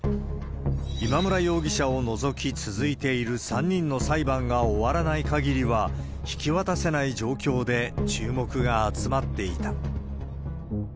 今村容疑者を除き続いている３人の裁判が終わらない限りは、引き渡せない状況で、注目が集まっていた。